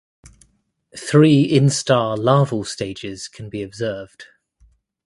Three instar larval stages can be observed.